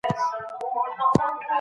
وخت د سرو زرو په څیر ارزښتناک دی.